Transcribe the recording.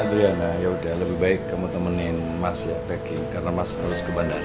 adriana yaudah lebih baik kamu temenin emas ya packing karena masih harus ke bandara